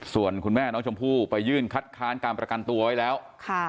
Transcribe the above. ส่วนคุณแม่น้องชมพู่ไปยื่นคัดค้านการประกันตัวไว้แล้ว